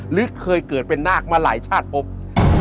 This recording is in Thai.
หรือเคยเกิดเป็นนาคมาหลายชาติพบ